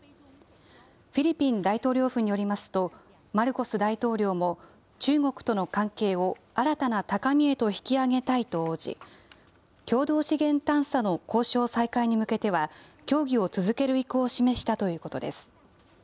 フィリピン大統領府によりますと、マルコス大統領も、中国との関係を新たな高みへと引き上げたいと応じ、共同資源探査の交渉再開に向けては、協議を続ける意向を示したということです。